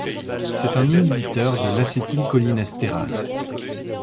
C'est un inhibiteur de l'acétylcholinestérase.